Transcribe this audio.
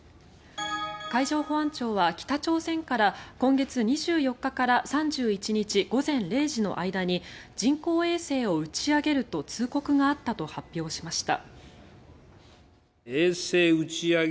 海上保安庁は、北朝鮮から今月２４日から３１日午前０時の間に人工衛星を打ち上げると通告があったと発表しました。